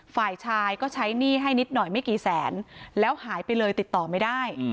ฝ่ายชายก็ใช้หนี้ให้นิดหน่อยไม่กี่แสนแล้วหายไปเลยติดต่อไม่ได้